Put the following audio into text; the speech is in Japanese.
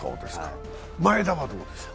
前田はどうですか？